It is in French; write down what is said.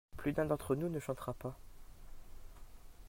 Plus d'un d'entre nous ne chantera pas.